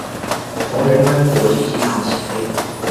从仁川国际机场起飞。